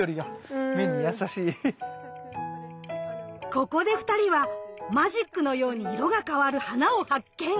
ここで２人はマジックのように色が変わる花を発見！